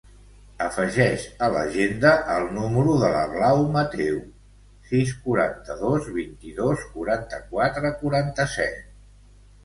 Afegeix a l'agenda el número de la Blau Mateu: sis, quaranta-dos, vint-i-dos, quaranta-quatre, quaranta-set.